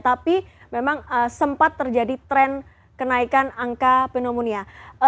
tapi memang sempat terjadi tren kenaikan angka pneumonia